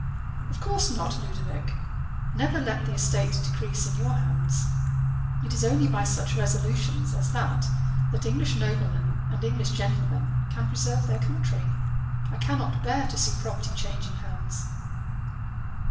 "Of course not, Ludovic. Never let the estate decrease in your hands. It is only by such resolutions as that that English noblemen and English gentlemen can preserve their country. I cannot bear to see property changing hands."